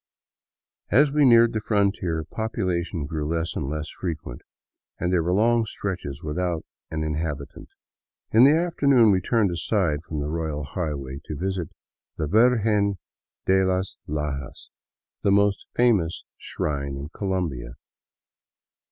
As we neared the frontier, population grew less and less frequent, and there were long stretches without an inhabitant. In the after noon we turned aside from the " royal highway " to visit the " Vir gen de las Lajas," the most famous shrine in Colombia.